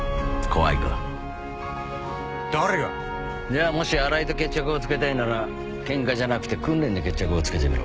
じゃあもし荒井と決着をつけたいならケンカじゃなくて訓練で決着をつけてみろ。